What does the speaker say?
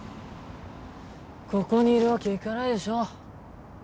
ここにいるわけいかないでしょ